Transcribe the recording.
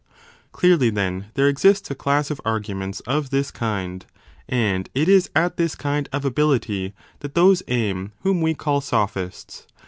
Clearly, then, there exists a class of arguments of this kind, and it is at this kind of ability that those aim whom we call sophists.